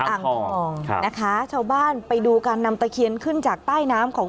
อ่างทองนะคะชาวบ้านไปดูการนำตะเคียนขึ้นจากใต้น้ำของ